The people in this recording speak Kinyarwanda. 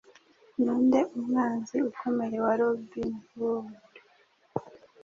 Ninde Umwanzi Ukomeye wa Robin Hood?